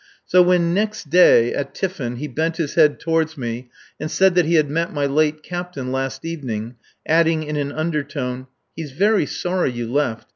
So when next day at tiffin he bent his head toward me and said that he had met my late Captain last evening, adding in an undertone: "He's very sorry you left.